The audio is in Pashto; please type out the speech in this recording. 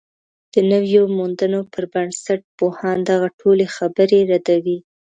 د نویو موندنو پر بنسټ، پوهان دغه ټولې خبرې ردوي